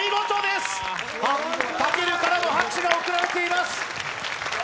武尊からも拍手が送られています。